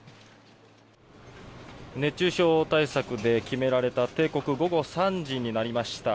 熱中症対策で決められた定刻、午後３時になりました。